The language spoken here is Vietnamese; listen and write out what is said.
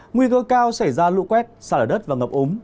nguy cơ cao sẽ ra lụ quét xa lở đất và ngập úng